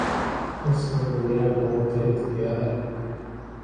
اس نے دنیا کو متحد کیا ہے